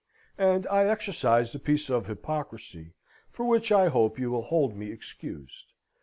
And I exercised a piece of hypocrisy, for which, I hope, you will hold me excused.